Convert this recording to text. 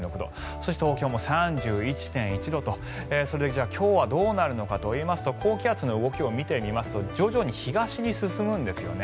そして東京も３１．１度と今日はどうなるのかといいますと高気圧の動きを見てみますと徐々に東に進むんですよね。